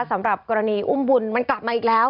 สำหรับกรณีอุ้มบุญมันกลับมาอีกแล้ว